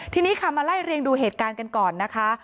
ทีนี้ค่ะมาไล่เรียงดูเหตุการณ์กันก่อนนะคะ